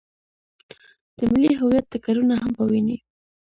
د ملي هویت ټکرونه هم په ويني.